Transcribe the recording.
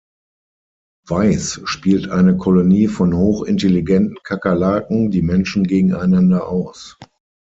Weiss spielt eine Kolonie von hochintelligenten Kakerlaken die Menschen gegeneinander aus.